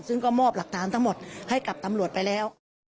ซึ่งก็มอบหลักฐานทั้งหมดให้กับตำรวจไปแล้ว